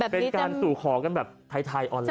เป็นการสู่ขอกันแบบไทยออนไลน